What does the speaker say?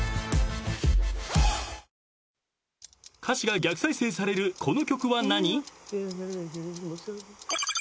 ［歌詞が逆再生されるこの曲は何？］